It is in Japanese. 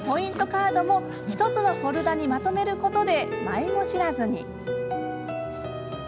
カードも１つのフォルダーにまとめることで、迷子知らずに。